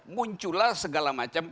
munculah segala macam